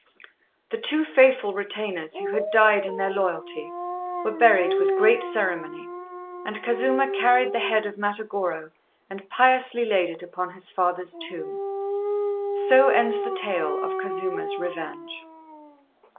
The two faithful retainers, who had died in their loyalty, were buried with great ceremony, and Kazuma carried the head of Matagorô and piously laid it upon his father's tomb. So ends the tale of Kazuma's revenge.